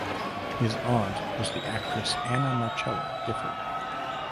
His aunt was the actress Anna Marcella Giffard.